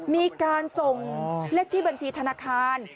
มีการส่งเลขที่บัญชีธนาคาร